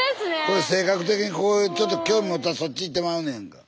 性格的にちょっと興味持ったらそっち行ってまうねん。